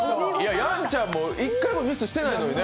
やんちゃんも１回もミスしてないのにね。